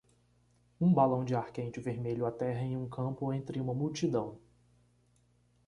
Um balão de ar quente vermelho aterra em um campo entre uma multidão.